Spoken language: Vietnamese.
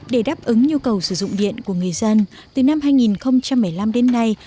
để đáp ứng nhu cầu sử dụng điện của người dân từ năm hai nghìn một mươi năm đến nay